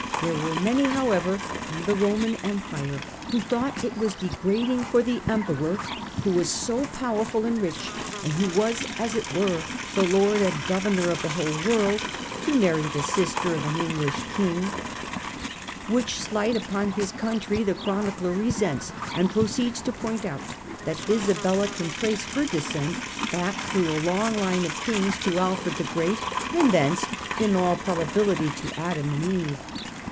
There were many, however, in the Roman Empire, who thought it was degrading for the Emperor, who was so powerful and rich and who was, as it were, the lord and governor of the whole world, to marry the sister of an English king." Which slight upon his country the chronicler resents, and proceeds to point out that Isabella can trace her descent back through a long line of kings to Alfred the Great, and thence, in all probability, to Adam and Eve.